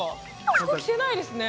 服着てないですね